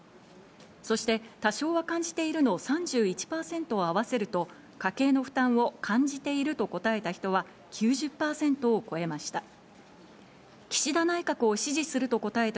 そして、多少は感じているの３１％を合わせると、家計の負担を感じていると答えた人は９０％を超えました。